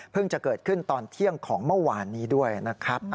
จะเกิดขึ้นตอนเที่ยงของเมื่อวานนี้ด้วยนะครับ